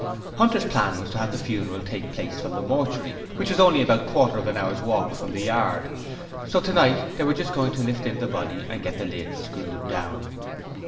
Hunter's plan was to have the funeral take place from the mortuary, which was only about a quarter of an hour's walk from the yard; so tonight they were just going to lift in the body and get the lid screwed down.